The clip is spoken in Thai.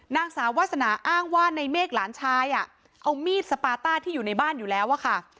นางสาววาสนาอ้างว่าในเมฆหลานชายเอามีดสปาต้าที่อยู่ในบ้านอยู่แล้วอะค่ะ